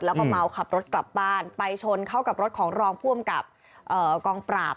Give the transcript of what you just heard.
แล้วก็เมาขับรถกลับบ้านไปชนเข้ากับรถของรองผู้อำกับกองปราบ